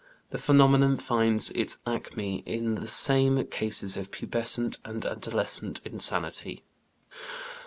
The phenomenon finds its acme in the cases of pubescent and adolescent insanity."